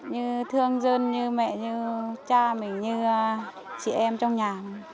như thương dân như mẹ như cha mình như chị em trong nhà